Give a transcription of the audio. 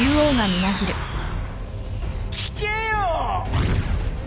聞けよー！